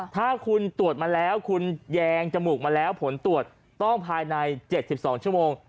ถ้าคุณตรวจมาแล้วคุณแยงจมูกมาแล้วผลตรวจต้องภายใน๗๒ชั่วโมง